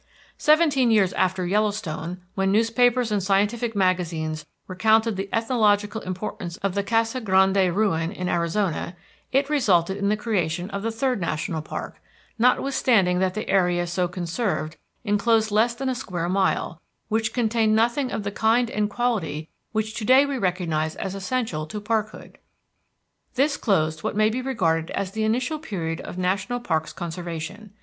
Seventeen years after Yellowstone, when newspapers and scientific magazines recounted the ethnological importance of the Casa Grande Ruin in Arizona, it resulted in the creation of the third national park, notwithstanding that the area so conserved enclosed less than a square mile, which contained nothing of the kind and quality which to day we recognize as essential to parkhood. This closed what may be regarded as the initial period of national parks conservation.